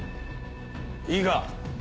いいか？